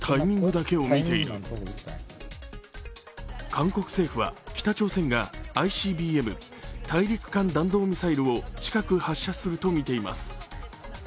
韓国政府は北朝鮮がＩＣＢＭ＝大陸間弾道ミサイルを近く発射するとみています。